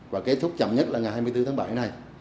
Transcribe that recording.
và kết thúc chậm nhất là ngày hai mươi bốn tháng bảy này